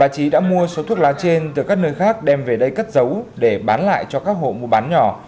thuốc lá trên từ các nơi khác đem về đây cất dấu để bán lại cho các hộ mua bán nhỏ